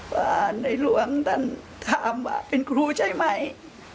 ว่าในหลวงท่านถามว่าเป็นครูใช่ไหม